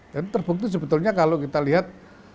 terbukti sebetulnya kalau kita lihat